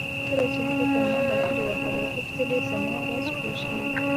کله چې هغې پر ما ملنډې وهلې غوښتل یې زما په راز پوه شي.